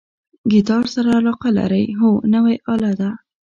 ګیتار سره علاقه لرئ؟ هو، نوی آله ده